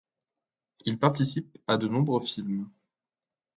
Il participe à de nombreux films.